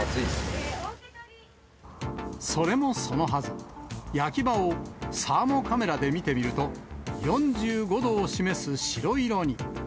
それもそのはず、焼き場をサーモカメラで見てみると、４５度を示す白色に。